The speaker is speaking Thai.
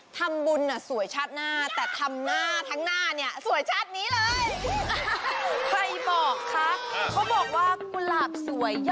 ทำบุญสวยชาติหน้าแต่ทำหน้าทั้งหน้าเนี่ยสวยชาตินี้เลย